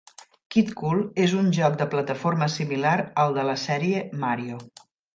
"Kid Kool" és un joc de plataforma similar al de la sèrie Mario.